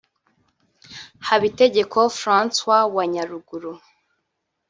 Habitegeko François wa Nyaruguru